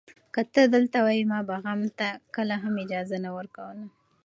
که ته دلته وای، ما به غم ته کله هم اجازه نه ورکوله.